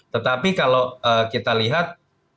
tetapi kalau kita lihat